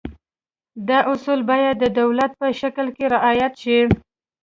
دا اصول باید د دولت په تشکیل کې رعایت شي.